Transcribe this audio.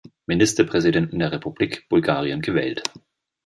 Ministerpräsidenten der Republik Bulgarien gewählt.